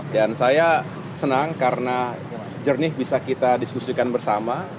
dan saya senang karena jernih bisa kita diskusikan bersama